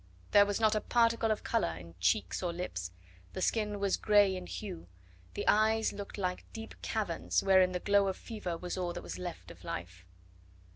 There was not a particle of colour in cheeks or lips, the skin was grey in hue, the eyes looked like deep caverns, wherein the glow of fever was all that was left of life.